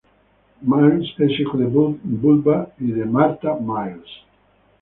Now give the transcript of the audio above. Miles es hijo de Bubba y de Martha Miles.